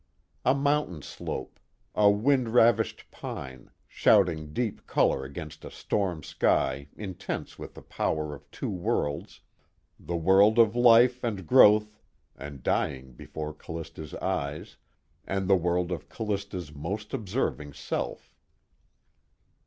A mountain slope, a wind ravished pine, shouting deep color against a storm sky intense with the power of two worlds, the world of life and growth and dying before Callista's eyes, and the world of Callista's most observing self.